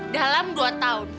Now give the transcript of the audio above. dalam dua tahun